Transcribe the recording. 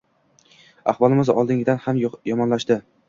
Ahvolimiz oldingidan ham yomonlashdi